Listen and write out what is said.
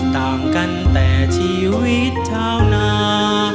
ต่างกันแต่ชีวิตชาวนา